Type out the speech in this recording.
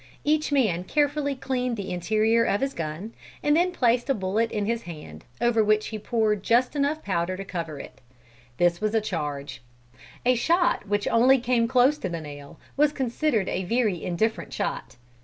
Each man carefully cleaned the interior of his gun, and then placed a bullet in his hand, over which he poured just enough powder to cover it. This was a charge. A shot which only came close to the nail was considered a very indifferent shot.